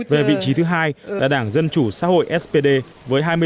về vị trí thứ hai là đảng dân chủ xã hội spd với hai mươi năm ủng hộ